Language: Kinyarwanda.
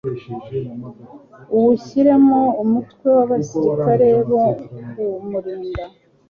awushyiramo umutwe w'abasirikare bo kuwurinda